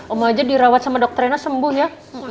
oma aja dirawat sama dokter reina sembuh ya